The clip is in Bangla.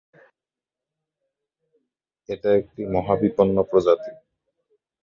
এটা একটি মহাবিপন্ন প্রজাতি।